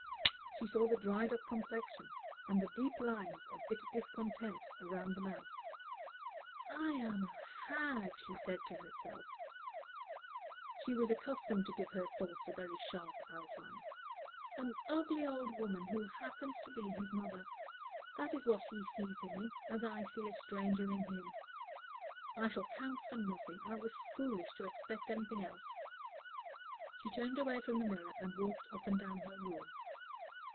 She saw the dried up complexion, and the deep lines of bitter discontent about the mouth. "I am a hag!" she said to herself (she was accustomed to give her thoughts a very sharp outline), "an ugly old woman who happens to be his mother. That is what he sees in me, as I see a stranger in him. I shall count for nothing. I was foolish to expect anything else." She turned away from the mirror and walked up and down her room.